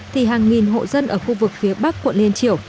thì hàng nghìn hộ dân ở khu vực phía bắc quận liên triều